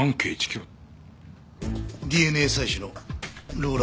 ＤＮＡ採取のローラー作戦だ。